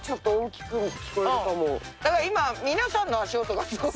だから今。